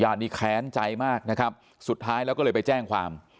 อันนี้แค้นใจมากนะครับสุดท้ายแล้วก็เลยไปแจ้งความ